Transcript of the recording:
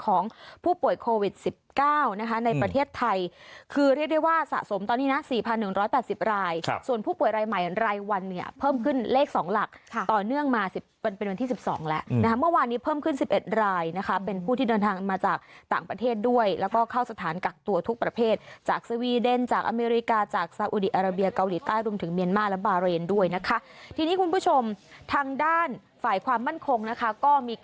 ของผู้ป่วยโควิด๑๙นะคะในประเทศไทยคือเรียกได้ว่าสะสมตอนนี้นะ๔๑๘๐รายส่วนผู้ป่วยรายใหม่รายวันเนี่ยเพิ่มขึ้นเลข๒หลักต่อเนื่องมาเป็นวันที่๑๒แล้วนะคะเมื่อวานนี้เพิ่มขึ้น๑๑รายนะคะเป็นผู้ที่เดินทางมาจากต่างประเทศด้วยแล้วก็เข้าสถานกักตัวทุกประเภทจากสวีเดนจากอเมริกาจากสาวุดีอาราเบียเกาหลี